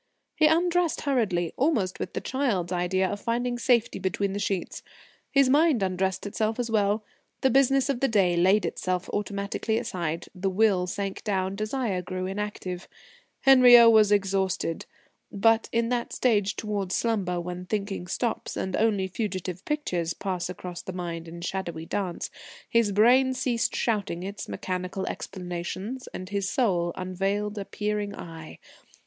He undressed hurriedly, almost with the child's idea of finding safety between the sheets. His mind undressed itself as well. The business of the day laid itself automatically aside; the will sank down; desire grew inactive. Henriot was exhausted. But, in that stage towards slumber when thinking stops, and only fugitive pictures pass across the mind in shadowy dance, his brain ceased shouting its mechanical explanations, and his soul unveiled a peering eye.